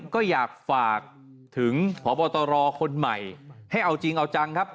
ก็อยากฝากถึงพบตรคนใหม่ให้เอาจริงเอาจังครับ